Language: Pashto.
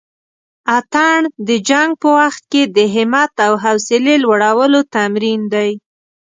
اتڼ د جنګ په وخت کښې د همت او حوصلې لوړلو تمرين دی.